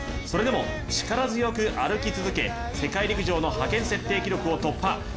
それでも力強く歩き続け、世界陸上の派遣設定記録を突破。